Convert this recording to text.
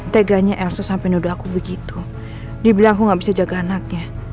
teganya elsa sampai noda aku begitu dibilang aku nggak bisa jaga anaknya